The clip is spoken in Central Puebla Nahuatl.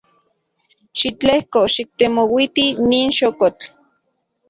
Xitlejko xiktemouiti nin xokotl.